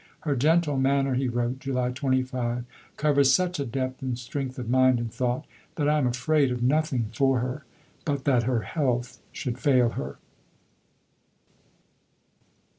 "Her gentle manner," he wrote (July 25), "covers such a depth and strength of mind and thought, that I am afraid of nothing for her, but that her health should fail her."